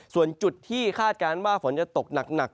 ส่วนจุดที่คาดการณ์ว่าฝนจะตกหนัก